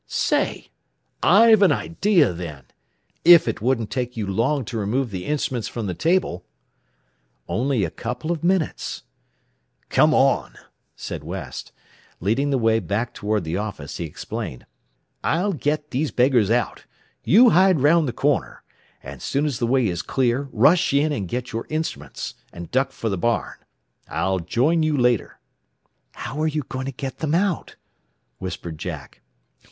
"Say I've an idea then! If it wouldn't take you long to remove the instruments from the table?" "Only a couple of minutes." "Come on," said West. Leading the way back toward the office, he explained, "I'll get these beggars out, you hide round the corner, and soon as the way is clear rush in and get your instruments, and duck for the barn. I'll join you later." "How are you going to get them out?" whispered Jack.